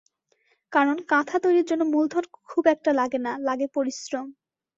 কারণ, কাঁথা তৈরির জন্য মূলধন খুব একটা লাগে না, লাগে পরিশ্রম।